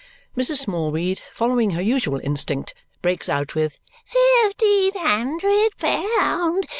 Mrs. Smallweed, following her usual instinct, breaks out with "Fifteen hundred pound.